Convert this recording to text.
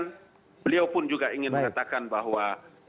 dan beliau pun juga ingin mengatakan bahwa